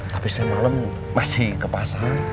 tapi siang malam masih ke pasar